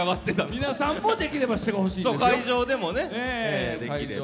皆さんもできればしてほしいですよ。